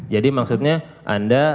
jadi maksudnya anda